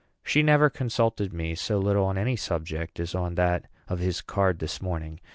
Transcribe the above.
She never consulted me so little on any subject as that of his card this morning.